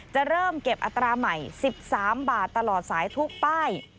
จะเริ่มเก็บอัตราใหม่๑๓บาทตลอดสายทุกป้าย